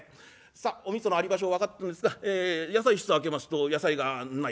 さあお味噌のあり場所分かったんですが野菜室を開けますと野菜がない。